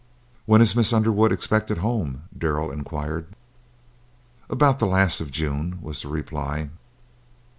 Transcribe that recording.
"When is Miss Underwood expected home?" Darrell inquired. "About the last of June," was the reply.